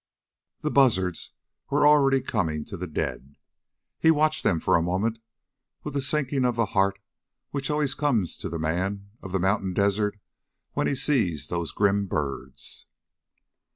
The buzzards were already coming to the dead. He watched them for a moment, with the sinking of the heart which always comes to the man of the mountain desert when he sees those grim birds.